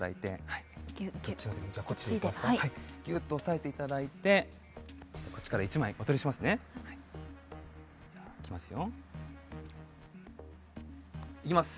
はいギュッと押さえていただいてこっちから１枚お撮りしますねはいじゃいきますよいきます